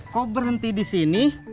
kok berhenti disini